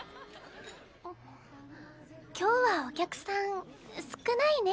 あっ今日はお客さん少ないね。